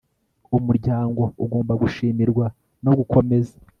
umuryango ugomba gushimirwa no gukomeza